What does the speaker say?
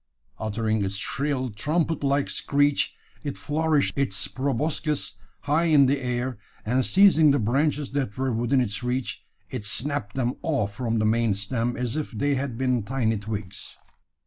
Uttering its shrill, trumpet like screech, it flourished its proboscis high in the air; and seizing the branches that were within its reach, it snapped them off from the main stem as if they had been tiny twigs.